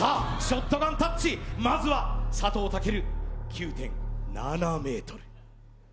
ショットガンタッチまずは佐藤健９．７メートル